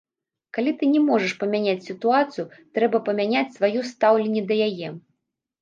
Калі ты не можаш памяняць сітуацыю, трэба памяняць сваё стаўленне да яе.